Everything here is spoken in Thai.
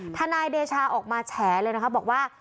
ทนายเดชาออกมาแฉเลยนะคะบอกว่า